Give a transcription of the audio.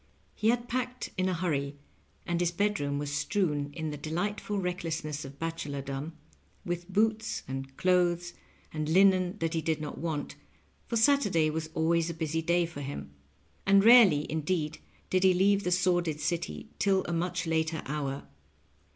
He had packed in a hurry, and his bedroom was strewn, in the delightful recklessness of bachelordom, with boots and clothes and linen that he did not want, for Saturday was always a busy day for him, and rarely indeed did he leave the sor did City till a much later hour.